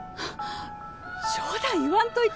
冗談言わんといて！